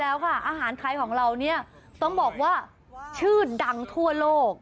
แล้วค่ะอาหารไทยของเราเนี่ยต้องบอกว่าชื่อดังทั่วโลก